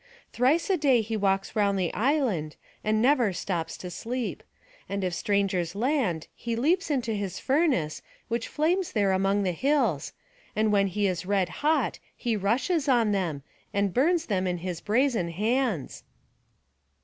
Thrice a day he walks round the island, and never stops to sleep; and if strangers land he leaps into his furnace, which flames there among the hills; and when he is red hot he rushes on them, and burns them in his brazen hands."